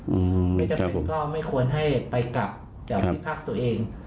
ไม่จำเป็นก็ไม่ควรให้ไปกลับจากที่พักตัวเอง